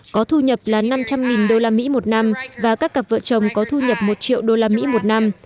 có thu nhập là năm trăm linh đô la mỹ một năm và các cặp vợ chồng có thu nhập một triệu đô la mỹ một năm